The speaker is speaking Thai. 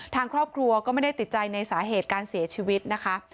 ทางครอบครัวก็ไม่ได้ติดใจในสาเหตุการเสียชีวิตนะคะ